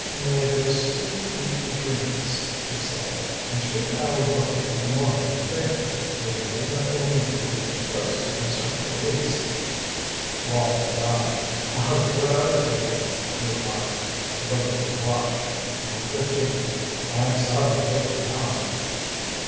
"May their sleep be dreamless," he said. "And should our work of the morning fail, may the name of O'Neill be the first to concern the police." Wall laughed. "A good idea," he remarked. He looked at his watch. "Nine fifteen. The banks ought to be open now."